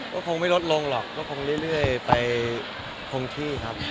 ก็คงไม่ลดลงหรอกก็คงเรื่อยไปคงที่ครับ